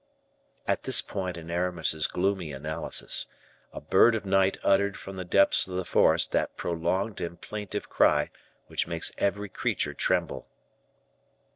At this point in Aramis's gloomy analysis, a bird of night uttered from the depths of the forest that prolonged and plaintive cry which makes every creature tremble.